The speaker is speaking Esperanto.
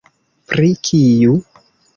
Pri kiu?